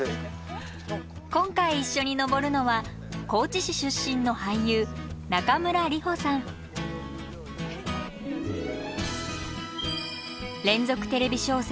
今回一緒に登るのは高知市出身の連続テレビ小説